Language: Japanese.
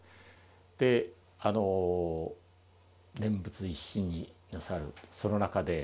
で念仏一心になさるその中で。